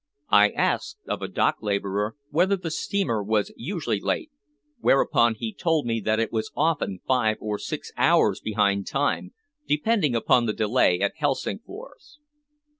I asked of a dock laborer whether the steamer was usually late, whereupon he told me that it was often five or six hours behind time, depending upon the delay at Helsingfors.